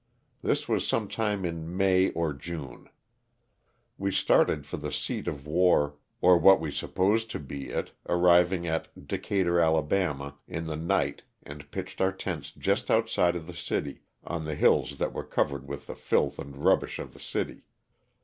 This was some time in May or June. We started for the seat of war, or what we sup posed to be it, arriving at Decatur, Ala., in the night and pitched our tents just outside of the city, on the hills that were covered with the filth and rubbish of the city.